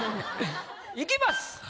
いきます。